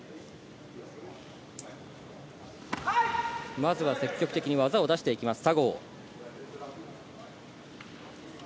まずは積極的に技を出していきます、佐合。